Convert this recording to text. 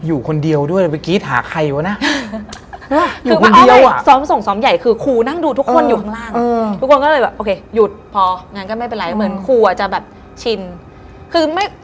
อยู่คนเดียวพอดีเมื่อกี๊เจอหาใครมานะ